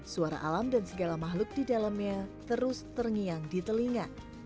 suara alam dan segala makhluk di dalamnya terus terngiang di telinga